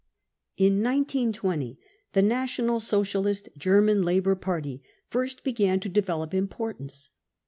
In 1920 the National Socialist German Labour Party first began to develop importance.